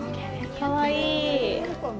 かわいい。